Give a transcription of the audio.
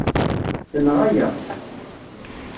Tenɣa-yaɣ-tt.